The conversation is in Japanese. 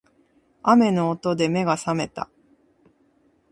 雨の音で目が覚めた